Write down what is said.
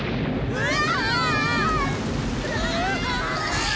うわ！